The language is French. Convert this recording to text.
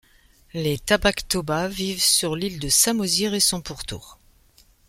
Les Batak Toba vivent sur l'île de Samosir et son pourtour.